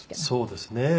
そうですね。